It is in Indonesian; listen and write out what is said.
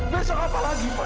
besok apa lagi fan